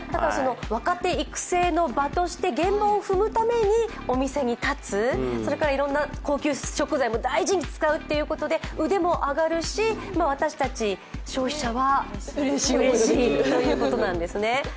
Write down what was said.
若手育成の場として現場を踏むためにお店に立つ、それからいろんな高級食材も大事に使うということで腕も上がるし私たち消費者はうれしいということなんですね。